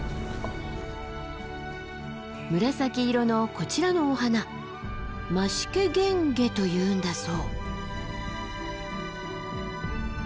紫色のこちらのお花マシケゲンゲというんだそう。